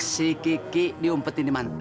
si kiki diumpetin dimana